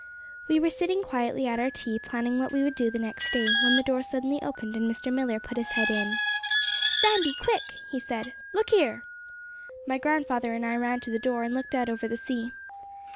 We were sitting quietly at our tea, planning what we would do the next day, when the door suddenly opened and Mr. Millar put his head in. 'Sandy, quick!' he said. 'Look here!' My grandfather and I ran to the door, and looked out over the sea.